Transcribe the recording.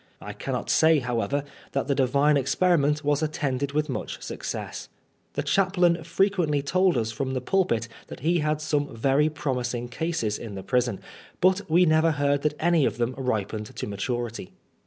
I cannot say, however, that the divine experiment was attended with much success. The chaplain frequently told us from the pulpit that he had some very promising cases in the prison, but we never heard that any of them ripened to maturity.